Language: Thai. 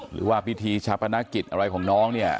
หรือว่าพิธีชาปนกิจอะไรของน้องเนี่ย